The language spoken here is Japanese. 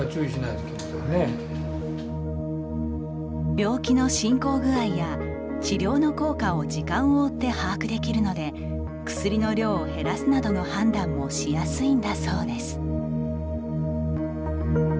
病気の進行具合や治療の効果を時間を追って把握できるので薬の量を減らすなどの判断もしやすいんだそうです。